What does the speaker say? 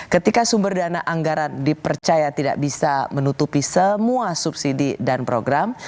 ketika sumber dana anggaran dipercaya tidak bisa menutupi semua subsidi dan program